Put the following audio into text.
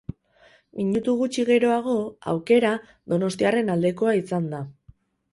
Minutu gutxi geroago aukera donostiarren aldekoa izan da.